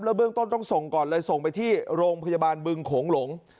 เบื้องต้นต้องส่งก่อนเลยส่งไปที่โรงพยาบาลบึงโขงหลง